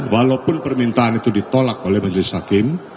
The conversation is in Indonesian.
walaupun permintaan itu ditolak oleh majelis hakim